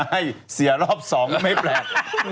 เฮ้ยเสียรอบสองก็ไม่แปลก